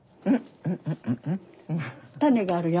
種があるよ。